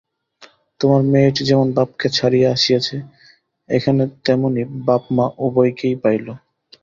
তোমার মেয়েটি যেমন বাপকে ছাড়িয়া আসিয়াছে, এখানে তেমনি বাপ মা উভয়কেই পাইল।